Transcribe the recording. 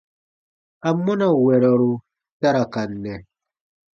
Amɔna wɛrɔru ta ra ka nɛ?